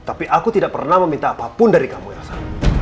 tapi aku tidak pernah meminta apapun dari kamu elsa